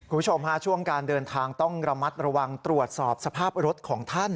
คุณผู้ชมฮะช่วงการเดินทางต้องระมัดระวังตรวจสอบสภาพรถของท่าน